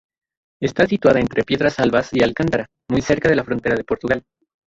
Está situada entre Piedras Albas y Alcántara, muy cerca de la frontera de Portugal.